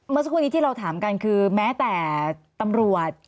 เมื่อสักครู่นี้ที่เราถามกันคือแม้แต่ตำรวจ